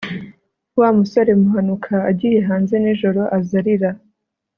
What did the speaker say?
wa musore muhanuka agiye hanze nijoro aza arira